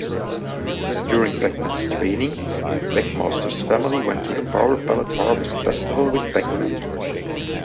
During Pac-Man's training, Pac-Master's family went to the Power Pellet Harvest Festival with Pac-Man.